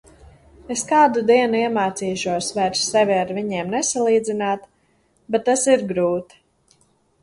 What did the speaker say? Es kādu dienu iemācīšos vairs sevi ar viņiem nesalīdzināt, bet tas ir grūti.